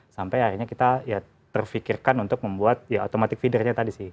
sampai akhirnya kita ya terfikirkan untuk membuat ya automatic feedernya tadi sih